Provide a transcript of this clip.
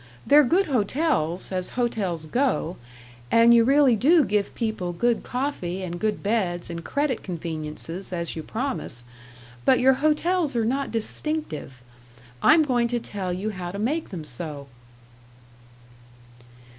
They're good hotels, as hotels go, and you really do give people good coffee and good beds and credit conveniences, as you promise, but your hotels are not distinctive. I'm going to tell you how to make them so."